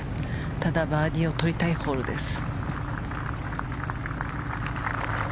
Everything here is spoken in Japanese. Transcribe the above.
ただ、バーディーを取りたいホールです。